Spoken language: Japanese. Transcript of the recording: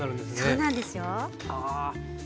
そうなんですよ。